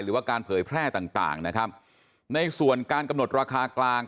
หรือว่าการเผยแพร่ต่างต่างนะครับในส่วนการกำหนดราคากลาง